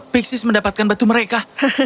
pixies mendapatkan batu mereka